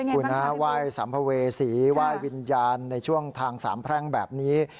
คุณฮะไหว้สัมภเวษีไหว้วิญญาณในช่วงทางสามแพร่งแบบนี้